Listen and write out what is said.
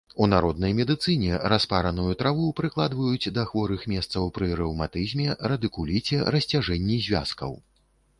У народнай медыцыне распараную траву прыкладваюць да хворых месцаў пры рэўматызме, радыкуліце, расцяжэнні звязкаў.